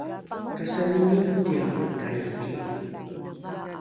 kasani mingtiao taiki